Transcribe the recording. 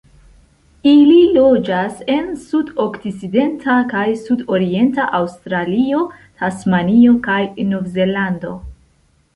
Ili loĝas en sudokcidenta kaj sudorienta Aŭstralio, Tasmanio, kaj Novzelando.